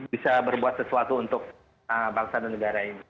bisa berbuat sesuatu untuk bangsa dan negara ini